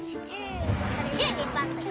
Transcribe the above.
シチューにパンとか！